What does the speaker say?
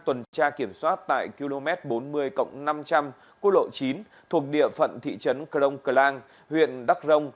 trả kiểm soát tại km bốn mươi cộng năm trăm linh cuối lộ chín thuộc địa phận thị trấn crong clang huyện đắc rông